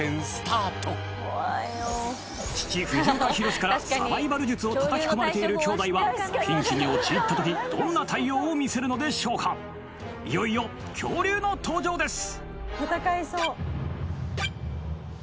父藤岡弘、からサバイバル術を叩き込まれているきょうだいはピンチに陥った時どんな対応を見せるのでしょうかいよいよ恐竜の登場です